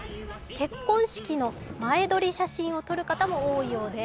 結婚式の前撮り写真を撮る方も多いそうで